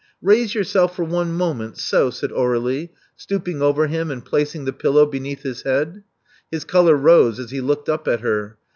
Raise yourself for one moment — so," said Aur^lie, stooping over him and placing the pillow beneath his head. His color rose as he looked up at her.